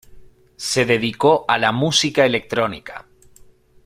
Se dedicó a la música electrónica.